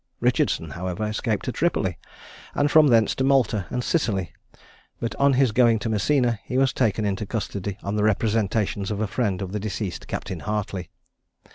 Richardson, however, escaped to Tripoli, and from thence to Malta and Sicily; but on his going to Messina, he was taken into custody on the representations of a friend of the deceased Capt. Hartley.